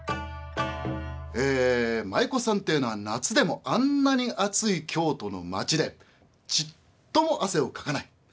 え舞妓さんっていうのは夏でもあんなに暑い京都の街でちっとも汗をかかない。